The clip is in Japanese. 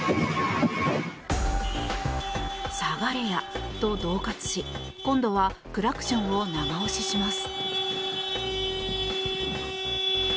下がれやと恫喝し今度はクラクションを長押しします。